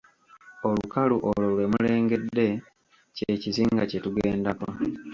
Olukalu olwo lwe mulengedde kye kizinga kye tugendako.